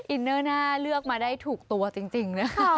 อินเนอร์น่าเลือกมาได้ถูกตัวจริงนะคะ